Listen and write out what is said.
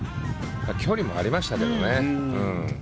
距離もありましたけどね。